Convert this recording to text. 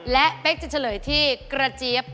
และเพคจะเฉลยที่